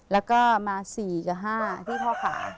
แล้วก็มา๔กับ๕ที่ข้อขา